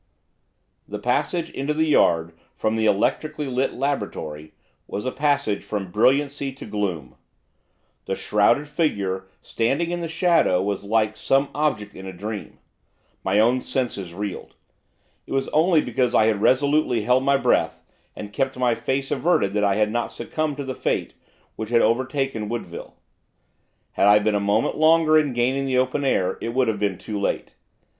The passage into the yard from the electrically lit laboratory was a passage from brilliancy to gloom. The shrouded figure standing in the shadow, was like some object in a dream. My own senses reeled. It was only because I had resolutely held my breath, and kept my face averted that I had not succumbed to the fate which had overtaken Woodville. Had I been a moment longer in gaining the open air, it would have been too late.